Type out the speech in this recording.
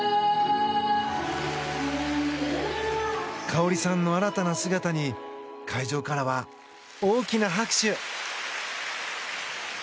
花織さんの新たな姿に会場からは大きな拍手。